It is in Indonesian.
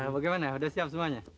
bagaimana udah siap semuanya